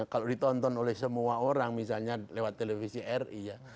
kalau ditonton oleh semua orang misalnya lewat televisi ri ya